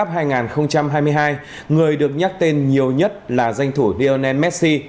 argentina đăng qua ngôi vô địch world cup hai nghìn hai mươi hai người được nhắc tên nhiều nhất là danh thủ lionel messi